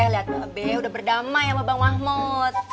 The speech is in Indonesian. lihat be udah berdamai sama bang mahmud